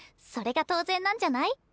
それが当然なんじゃない？